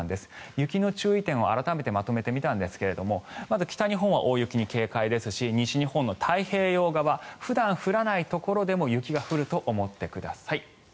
雪の注意点を改めてまとめてみたんですがまず北日本は大雪に警戒ですし西日本の太平洋側普段降らないところでも雪が降ると思ってください。